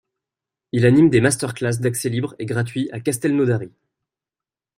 Il anime des master classe d'accès libre et gratuit à Castelnaudary.